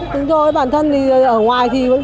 chúng tôi bản thân thì ở ngoài